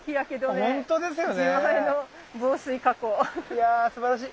いやすばらしい！